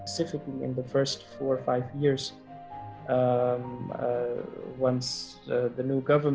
setelah pemerintahan baru dikeluarkan pertama empat lima tahun